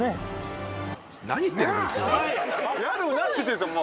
やるなって言ってんですよ